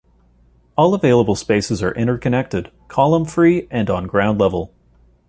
All available spaces are interconnected, column free and on ground level.